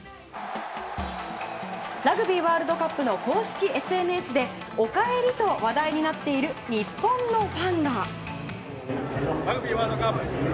ラグビーワールドカップの公式ＳＮＳでお帰りと話題になっている日本のファンが。